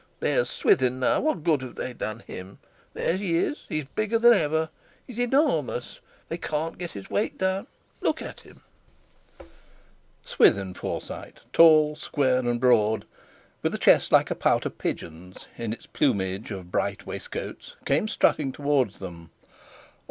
There's Swithin, now. What good have they done him? There he is; he's bigger than ever; he's enormous; they can't get his weight down. Look at him!" Swithin Forsyte, tall, square, and broad, with a chest like a pouter pigeon's in its plumage of bright waistcoats, came strutting towards them.